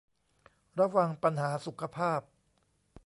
ระวังปัญหาสุขภาพ